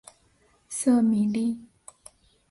瑟米利。